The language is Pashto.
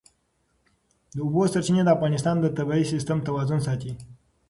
د اوبو سرچینې د افغانستان د طبعي سیسټم توازن ساتي.